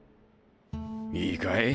いいかい？